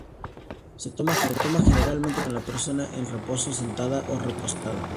Se toma generalmente con la persona en reposo: sentada, o recostada.